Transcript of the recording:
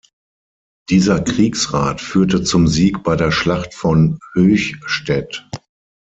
Dieser Kriegsrat führte zum Sieg bei der Schlacht von Höchstädt.